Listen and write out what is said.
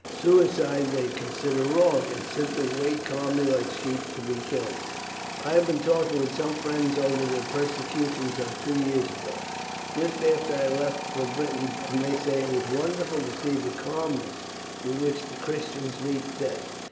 Suicide they consider wrong, and simply wait calmly like sheep to be killed. I have been talking with some friends over the persecutions of two years ago, just after I left for Britain, and they say it was wonderful to see the calmness with which the Christians meet death.